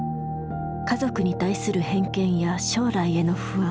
家族に対する偏見や将来への不安。